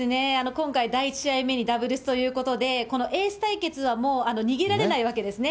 今回、第１試合目にダブルスということで、このエース対決は逃げられないわけですね。